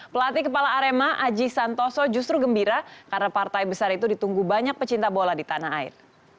pelatih kepala arema aji santoso justru gembira karena partai besar itu ditunggu banyak pecinta bola di tanah air